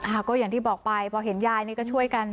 ก็อย่างที่บอกไปพอเห็นยายนี่ก็ช่วยกัน